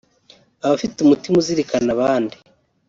Abafite umutima uzirikana abandi